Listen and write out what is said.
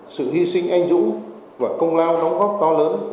sự hy sinh anh dũng và công lao đóng góp to lớn